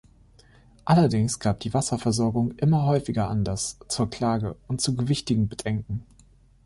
Allerdings gab die Wasserversorgung immer häufiger Anlass zur Klage und zu gewichtigen Bedenken.